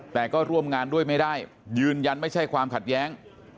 แต่ก็ร่วมงานด้วยไม่ได้ยืนยันไม่ใช่ความขัดแย้ง